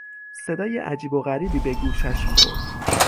صدای عجیب و غریبی به گوشش خورد.